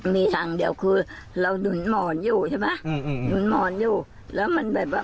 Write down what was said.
มันหมอนอยู่แล้วมันแบบว่า